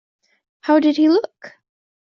How did he look?